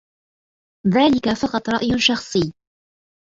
ذلك فقط رأيٌ شخصي.